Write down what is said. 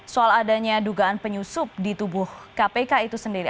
soal adanya dugaan penyusup di tubuh kpk itu sendiri